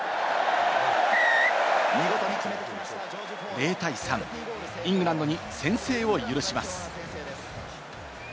０対３、イングランドに先制を許します。